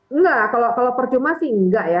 enggak kalau percuma sih enggak ya